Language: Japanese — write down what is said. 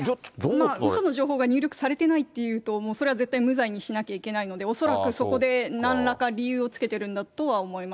うその情報が入力されてないというと、それは絶対無罪にしなきゃいけないので、恐らくそこでなんらか、理由をつけてるんだとは思います。